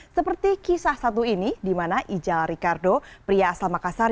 seperti kisah satu ini di mana ijal ricardo pria asal makassar